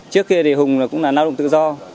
trước kia thì hùng cũng là lao động tự do